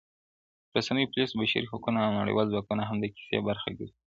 رسنۍ پوليس بشري حقونه او نړۍوال ځواکونه هم د کيسې برخه ګرځي,